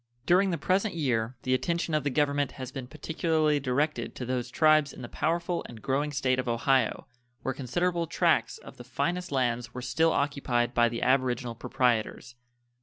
During the present year the attention of the Government has been particularly directed to those tribes in the powerful and growing State of Ohio, where considerable tracts of the finest lands were still occupied by the aboriginal proprietors.